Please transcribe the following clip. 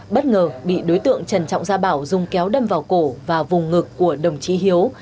bất ngờ bị đối tượng trần trọng gia bảo dùng kéo đâm vào cổ và vùng ngực của đồng chí hiếu